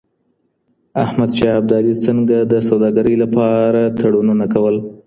احمد شاه ابدالي څنګه د سوداګرۍ لپاره تړونونه کول؟